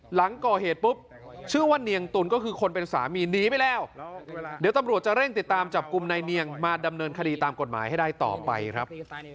หลังก่อเหตุปุ๊บชื่อว่าเนียงตุลก็คือคนเป็นสามีหนีไปแล้วเดี๋ยวตำรวจจะเร่งติดตามจับกลุ่มนายเนียงมาดำเนินคดีตามกฎหมายให้ได้ต่อไปครับ